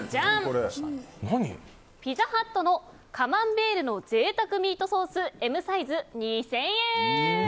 ピザハットのカマンベールの贅沢ミートソースＭサイズ、２０００円！